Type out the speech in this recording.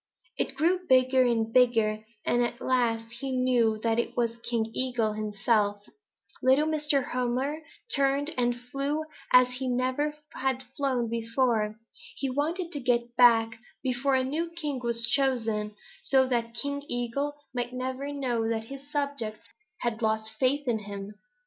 It grew bigger and bigger, and at last he knew that it was King Eagle himself. Little Mr. Hummer turned and flew as he never had flown before. He wanted to get back before a new king was chosen, so that King Eagle might never know that his subjects had lost faith in him.